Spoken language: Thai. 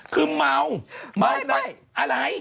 คือเมาเมาไม่อะไร